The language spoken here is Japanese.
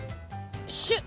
シュッ！